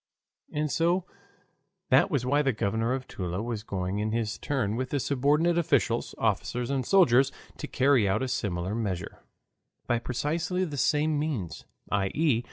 And so that was why the Governor of Toula was going in his turn with his subordinate officials, officers, and soldiers to carry out a similar measure. By precisely the same means, i. e.